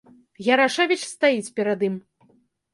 Ярашэвіч стаіць перад ім.